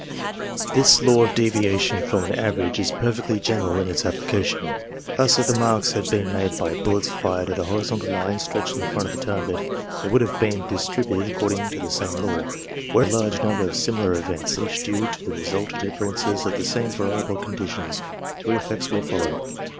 This law of deviation from an average is perfectly general in its application. Thus, if the marks had been made by bullets fired at a horizontal line stretched in front of the target, they would have been distributed according to the same law. Wherever there is a large number of similar events, each due to the resultant influences of the same variable conditions, two effects will follow.